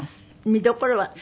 見どころは？